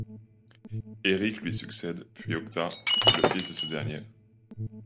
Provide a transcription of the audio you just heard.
Œric lui succède, puis Octa, le fils de ce dernier.